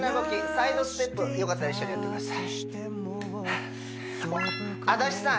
サイドステップよかったら一緒にやってください足立さん